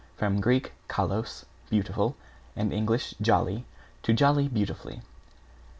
t., From Grk. kalos, beautiful, and Eng. jolly, to jolly beautifully.